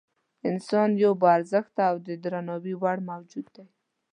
انسان یو با ارزښته او د درناوي وړ موجود دی.